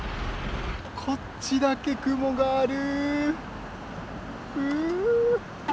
こっちだけ雲がある。